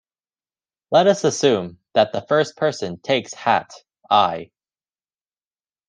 Let us assume that the first person takes hat "i".